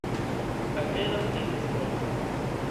Almenaŭ en sporto.